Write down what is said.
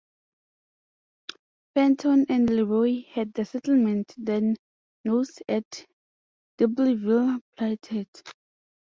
Fenton and LeRoy had the settlement, then known as "Dibbleville," platted.